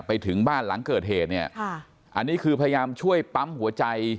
ไปถึงบ้านหลังเกิดเหตุเนี่ยค่ะอันนี้คือพยายามช่วยปั๊มหัวใจ